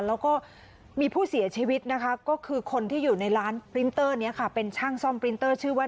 แล้วก็มีผู้เสียชีวิตนะคะก็คือคนที่อยู่ในร้านปรินเตอร์นี้ค่ะเป็นช่างซ่อมปรินเตอร์ชื่อว่า